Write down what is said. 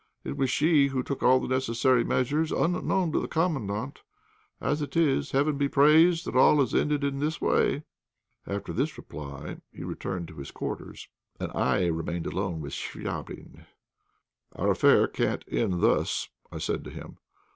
It was she who took all the necessary measures unknown to the Commandant. As it is, heaven be praised that it has all ended in this way." After this reply he returned to his quarters, and I remained alone with Chvabrine. "Our affair can't end thus," I said to him.